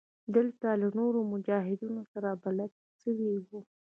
دلته له نورو مجاهدينو سره بلد سوى وم.